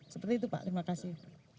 seperti itu pak terima kasih